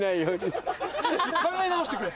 考え直してくれ。